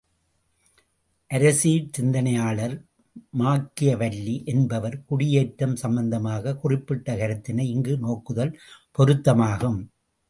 அரசியற் சிந்தனையாளர் மாக்கியவல்லி என்பவர் குடியேற்றம் சம்பந்தமாகக் குறிப்பிட்ட கருத்தினை இங்கு நோக்குதல் பொருத்தமாகும்.